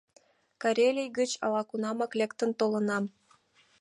Карелий гыч ала-кунамак лектын толынам.